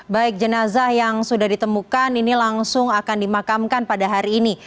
baik jenazah yang sudah ditemukan ini langsung akan dimakamkan pada hari ini